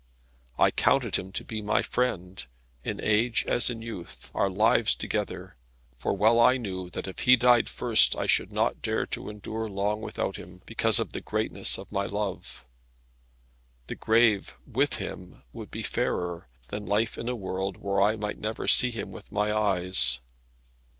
I counted him to be my friend, in age as in youth, our lives together; for well I knew that if he died first I should not dare to endure long without him, because of the greatness of my love. The grave, with him, would be fairer, than life in a world where I might never see him with my eyes.